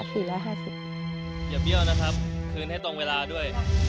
อย่าเบี้ยวนะครับคืนให้ตรงเวลาด้วย